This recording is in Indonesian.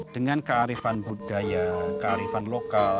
dengan kearifan budaya kearifan lokal